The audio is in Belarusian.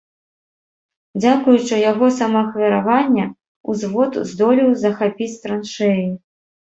Дзякуючы яго самаахвяравання ўзвод здолеў захапіць траншэі.